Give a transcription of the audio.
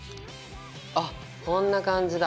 あっこんな感じだ。